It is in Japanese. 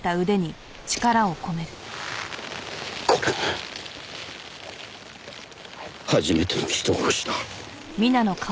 これが初めての人殺しだ。